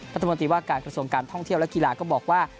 รัฐมนตรีว่าการกระทรวงการท่องเที่ยวและกีฬาก็บอกว่า